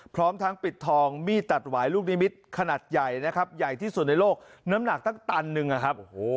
พร้อมทั้งปิดทองมีดตัดหวายลูกนิมิตรขนาดใหญ่นะครับใหญ่ที่สุดในโลกน้ำหนักตั้งตันหนึ่งนะครับ